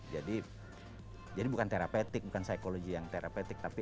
jadi bukan terapetik bukan psychology yang terapetik tapi